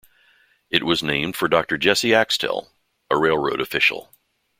It was named for Dr. Jesse Axtell, a railroad official.